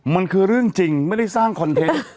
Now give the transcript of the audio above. มันคือเรื่องจริงไม่ได้สร้างคอนเทนต์